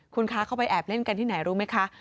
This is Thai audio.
คุณคะเขาไปแอบเล่นกันที่ไหนรู้ไหมคะ